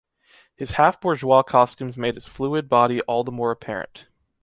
His half-bourgeois costumes made his fluid body all the more apparent.